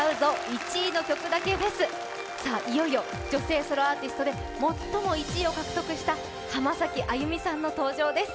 １位の曲だけフェス」、いよいよ女性ソロアーティストで最も１位を獲得した浜崎あゆみさんの登場です。